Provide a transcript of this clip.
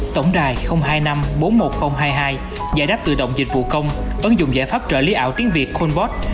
tổng đài hai mươi năm bốn mươi một nghìn hai mươi hai giải đáp tự động dịch vụ công ứng dụng giải pháp trợ lý ảo tiếng việt colbot